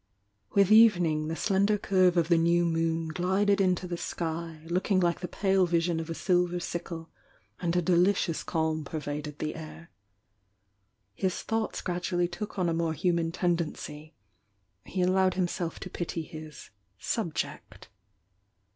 With evening the slender curve of the new moon glided into the sky, looking like the pale vision of a silver sickle, and a delicious calm pervaded the air. His thoughts gradually took on a more hitman tendency, — he allowed himself to pity his "subject."